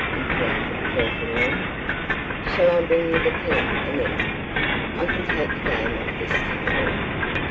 inquired Fauntleroy. "Shall I bring you the pen and ink? I can take the game off this table."